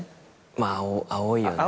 まあ青いよね。